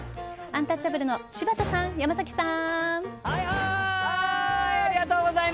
アンタッチャブルの柴田さん、山崎さん。